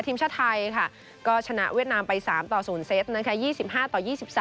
ทีมชาติไทยค่ะก็ชนะเวียดนามไป๓ต่อ๐เซตนะคะ๒๕ต่อ๒๓